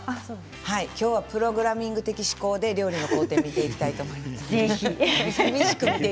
きょうはプログラミング的思考で料理の工程を見ていきたいと思いぜひ。